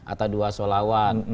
atau dua solawan